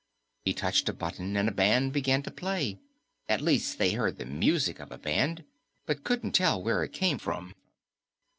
He touched a button, and a band began to play. At least, they heard the music of a band, but couldn't tell where it came from.